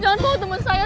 jangan bawa temen saya